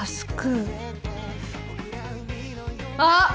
あっ！